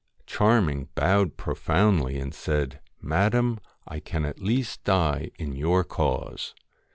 1 Charming bowed profoundly, and said ' Madam, I can at least die in your cause.'